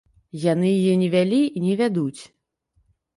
Яны яе не вялі і не вядуць.